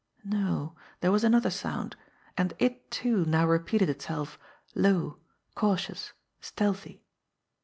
No, there was another sound and it, too, now repeated itself, low, cautious, stealthy.